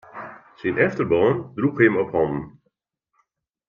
Syn efterban droech him op hannen.